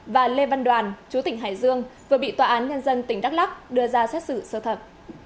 và lê văn đoàn chú tỉnh hải dương vừa bị tòa án nhân dân tỉnh đắk lắc đưa ra xét xử sơ thẩm